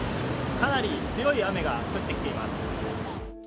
かなり強い雨が降ってきています。